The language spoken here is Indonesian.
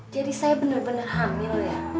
jadi saya benar benar hamil ya